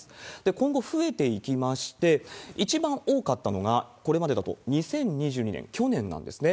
今後、増えていきまして、一番多かったのが、これまでだと２０２０年、去年なんですね。